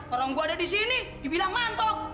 orang gue ada disini dibilang mantok